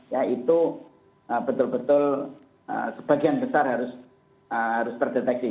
ya itu betul betul sebagian besar harus terdeteksi